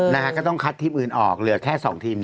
นะฮะก็ต้องคัดทีมอื่นออกเหลือแค่สองทีม